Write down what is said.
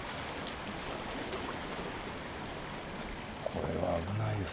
これは危ないよ